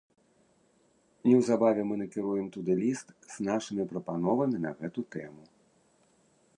Неўзабаве мы накіруем туды ліст з нашымі прапановамі на гэту тэму.